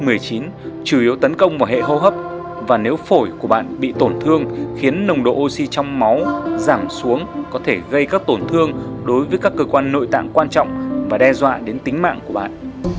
chủ yếu tấn công vào hệ hô hấp và nếu phổi của bạn bị tổn thương khiến nồng độ oxy trong máu giảm xuống có thể gây các tổn thương đối với các cơ quan nội tạng quan trọng và đe dọa đến tính mạng của bạn